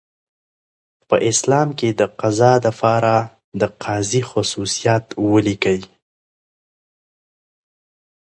په اسلام کي دقضاء د پاره دقاضي خصوصیات ولیکئ؟